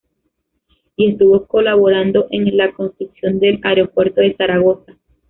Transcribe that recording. Y estuvo colaborando en la construcción del aeropuerto de Zaragoza.